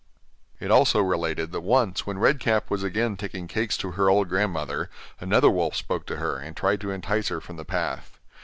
It also related that once when Red Cap was again taking cakes to the old grandmother, another wolf spoke to her, and tried to entice her from the path.